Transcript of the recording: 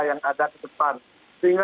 yang ada ke depan sehingga